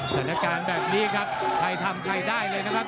สถานการณ์แบบนี้ครับใครทำใครได้เลยนะครับ